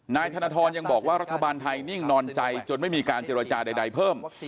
นายธนทรยังบอกว่ารัฐบาลไทยนิ่งนอนใจจนไม่มีการเจรจาใดเพิ่ม